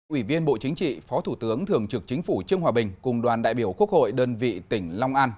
ủy viên bộ chính trị phó thủ tướng thường trực chính phủ trương hòa bình cùng đoàn đại biểu quốc hội đơn vị tỉnh long an